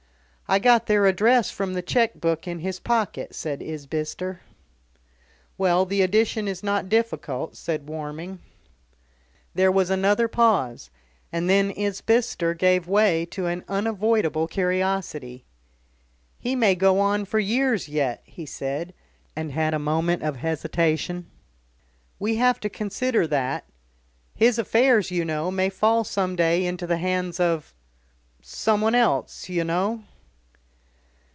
"I got their address from the cheque book in his pocket," said Isbister. "Well, the addition is not difficult," said Warming. There was another pause, and then Isbister gave way to an unavoidable curiosity. "He may go on for years yet," he said, and had a moment of hesitation. "We have to consider that. His affairs, you know, may fall some day into the hands of someone else, you know."